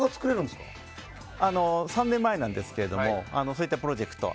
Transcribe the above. ３年前ですけどもそういったプロジェクト。